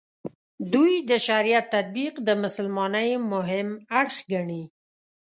دوی د شریعت تطبیق د مسلمانۍ مهم اړخ ګڼي.